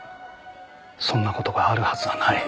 そんな事があるはずはない。